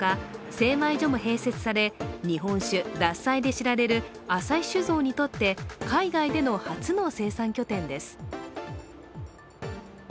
精米所も併設され日本酒獺祭で知られる旭酒造にとって、海外での初の生産拠点です。